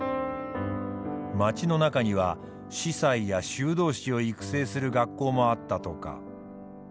街の中には司祭や修道士を育成する学校もあったとか。